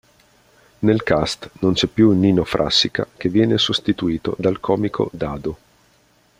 Nel cast non c'è più Nino Frassica che viene sostituito dal comico Dado.